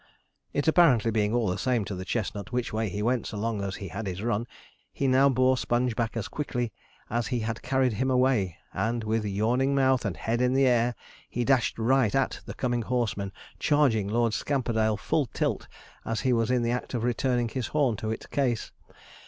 It apparently being all the same to the chestnut which way he went so long as he had his run, he now bore Sponge back as quickly as he had carried him away, and with yawning mouth, and head in the air, he dashed right at the coming horsemen, charging Lord Scamperdale full tilt as he was in the act of returning his horn to its case.